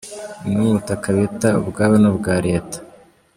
Bumwe mu butaka bita ubwabo ni ubwa Leta’.